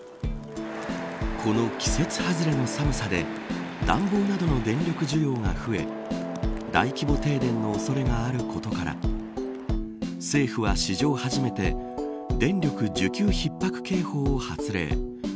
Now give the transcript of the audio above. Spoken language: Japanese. この季節外れの寒さで暖房などの電力需要が増え大規模停電の恐れがあることから政府は史上初めて電力需給ひっ迫警報を発令。